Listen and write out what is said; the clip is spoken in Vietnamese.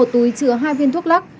một túi chứa hai viên thuốc lắc